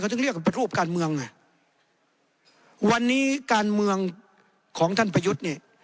เขาถึงเรียกเป็นปฏิรูปการเมืองน่ะวันนี้การเมืองของท่านประยุทธ์นี่